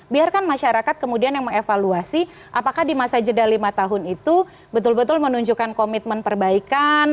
biarkan masyarakat kemudian yang mengevaluasi apakah di masa jeda lima tahun itu betul betul menunjukkan komitmen perbaikan